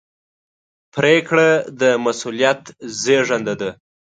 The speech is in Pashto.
پرېکړه د مسؤلیت زېږنده ده.